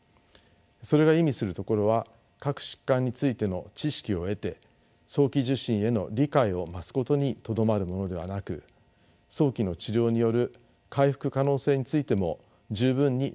それが意味するところは各疾患についての知識を得て早期受診への理解を増すことにとどまるものではなく早期の治療による回復可能性についても十分に理解すること。